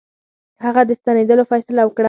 هغه د ستنېدلو فیصله وکړه.